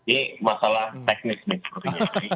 ini masalah teknis nih sepertinya